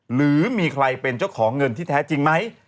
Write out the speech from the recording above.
หรือมีใครเป็นเจ้าของเงินที่แท้จริงไหม